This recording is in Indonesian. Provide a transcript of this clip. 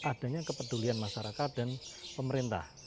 adanya kepedulian masyarakat dan pemerintah